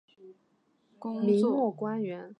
在上海从事工会和互济会工作。